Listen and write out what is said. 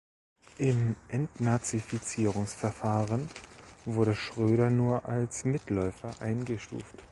Im Entnazifizierungsverfahren wurde Schröder nur als „Mitläufer“ eingestuft.